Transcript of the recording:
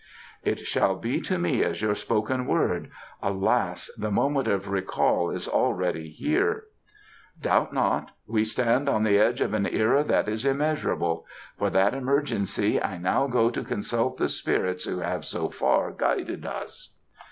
"It shall be to me as your spoken word. Alas! the moment of recall is already here." "Doubt not; we stand on the edge of an era that is immeasurable. For that emergency I now go to consult the spirits who have so far guided us."